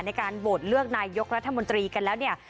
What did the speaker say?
ในการโหวตเลือกนายกรัฐมนตรีกันแล้วเนี่ย